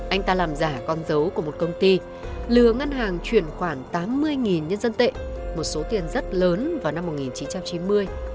anh ta làm giả con dấu của một công ty lừa ngân hàng chuyển khoản tám mươi nhân dân tệ một số tiền rất lớn vào năm một nghìn chín trăm chín mươi